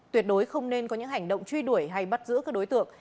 tuyệt đối không nên có những hành động truy đuổi hay bắt giữ các đối tượng